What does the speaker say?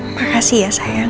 makasih ya sayang